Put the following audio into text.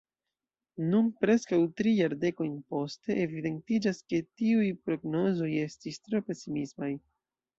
Nun, preskaŭ tri jardekojn poste, evidentiĝas ke tiuj prognozoj estis tro pesimismaj.